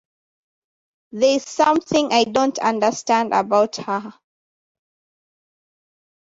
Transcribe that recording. There’s something I don’t understand about her.